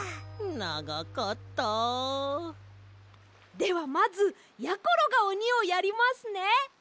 ではまずやころがおにをやりますね。